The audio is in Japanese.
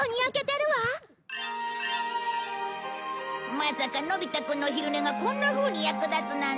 まさかのび太くんの昼寝がこんなふうに役立つなんて。